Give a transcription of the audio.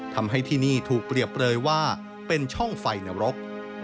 ทำให้ที่นี่ถูกเปรียบเลยว่าเป็นช่องไฟนรก